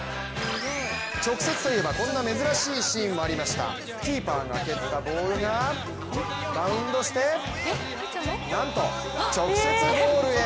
直接といえばこんな珍しいシーンもありましたキーパーが蹴ったボールがバウンドしてなんと直接ゴールへ。